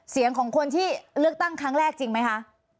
เสียงของคนที่เลือกตั้งครั้งแรกจริงไหมคะ